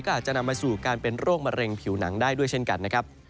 ก็อาจจะนำมาสู่การเป็นโรคมะเร็งผิวหนังได้ด้วยเช่นกันนะครับ